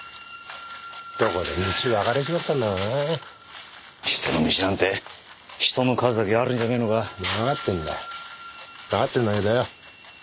どこで道分かれちまったんだろうなぁ人の道なんて人の数だけあるんじゃねぇのか分かってんだよ分かってんだけどよ